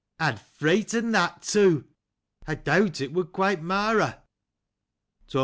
I had forgotten that, too ! I doubt it would quite mar a.'